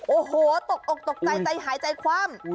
โอ้โหตกอกตกใจใจหายใจคว่ำ